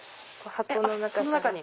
その中に。